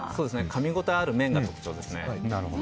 かみ応えある麺が特徴ですね。